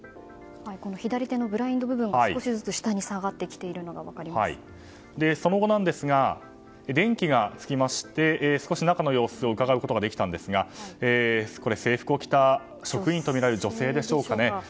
左手のブラインド部分が少しずつ下にその後、電気がつきまして少し中の様子をうかがうことができたんですが制服を着た職員とみられる女性でしょうか。